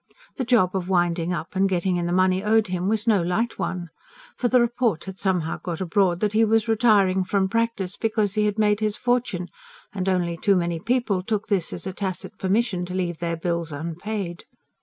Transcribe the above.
The job of winding up and getting in the money owed him was no light one. For the report had somehow got abroad that he was retiring from practice because he had made his fortune; and only too many people took this as a tacit permission to leave their bills unpaid.